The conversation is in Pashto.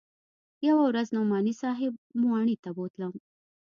يوه ورځ نعماني صاحب واڼې ته بوتلم.